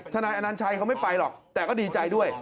นายอนัญชัยเขาไม่ไปหรอกแต่ก็ดีใจด้วย